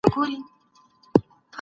خپله ټولنه وپيژنئ.